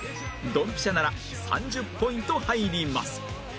ドンピシャなら３０ポイント入ります